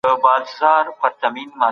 د استقامت نشتوالی د ايمان ضعف ښيي.